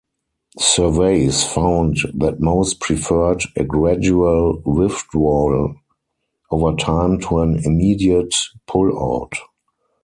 Surveys found that most preferred a gradual withdrawal over time to an immediate pullout.